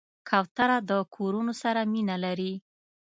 کوتره د کورونو سره مینه لري.